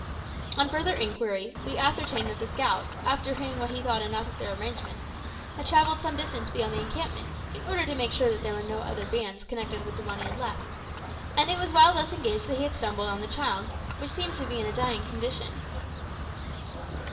On further inquiry, we ascertained that the scout, after hearing what he thought enough of their arrangements, had travelled some distance beyond the encampment, in order to make sure that there were no other bands connected with the one he had left, and it was while thus engaged that he stumbled on the child, which seemed to be in a dying condition.